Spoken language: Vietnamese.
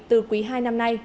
từ quý hai năm nay